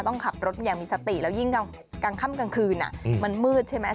ต้องขับรถอย่างมีสติแล้วยิ่งกลางค่ำกลางคืนมันมืดใช่ไหม